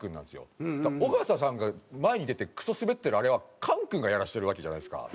尾形さんが前に出てクソスベってるあれは菅君がやらせてるわけじゃないですか。